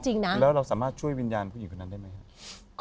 ใช่ถูก